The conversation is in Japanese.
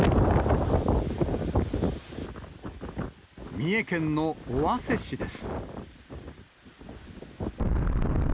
三重県の尾鷲市です。